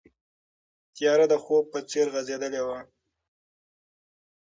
تیاره د خوب په څېر غځېدلې وه.